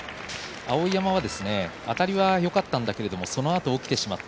碧山は、あたりはよかったんだけども、そのあと起きてしまった。